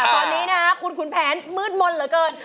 ตอนนี้นะคุณขุนแผนมืดมนต์เหลือเกิน